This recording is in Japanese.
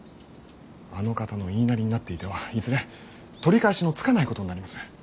あの方の言いなりになっていてはいずれ取り返しのつかないことになります。